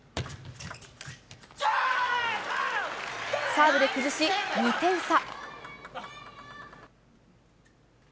サーブで崩し、２点差。